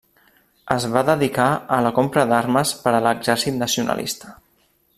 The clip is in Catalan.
Es va dedicar a la compra d'armes per a l'exèrcit nacionalista.